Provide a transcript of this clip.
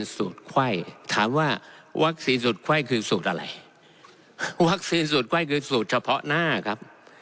สูตรไข้ถามว่าวัคซีนสูตรไข้คือสูตรอะไรวัคซีนสูตรไข้คือสูตรเฉพาะหน้าครับ